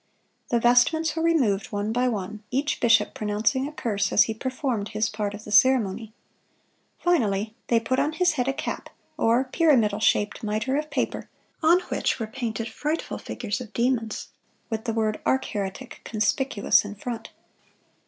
The vestments were removed one by one, each bishop pronouncing a curse as he performed his part of the ceremony. Finally "they put on his head a cap or pyramidal shaped mitre of paper, on which were painted frightful figures of demons, with the word 'Arch Heretic' conspicuous in front.